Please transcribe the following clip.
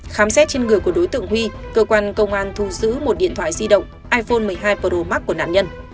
khám xét trên người của đối tượng huy cơ quan công an thu giữ một điện thoại di động iphone một mươi hai pro max của nạn nhân